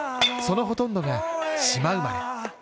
そのほとんどが島生まれ。